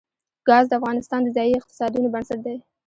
ګاز د افغانستان د ځایي اقتصادونو بنسټ دی.